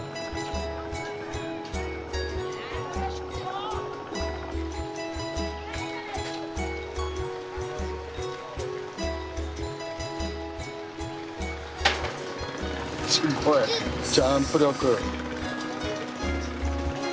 すごいジャンプ力。